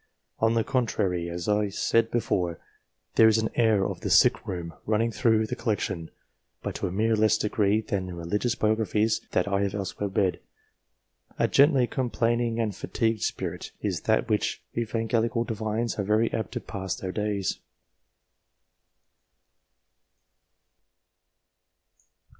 On the contrary, as I said before, there is an air as of the sick room running through the collection, but to a much less degree than in religious biographies that I have elsewhere read. A gently complaining, and fatigued spirit, is that in which Evan gelical Divines are very apt to pass their days.